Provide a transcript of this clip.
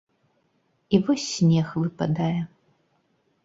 І вось снег выпадае.